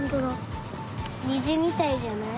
にじみたいじゃない？